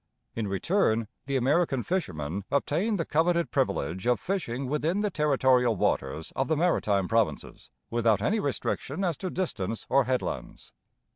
In return the American fishermen obtained the coveted privilege of fishing within the territorial waters of the Maritime Provinces, without any restriction as to distance or headlands.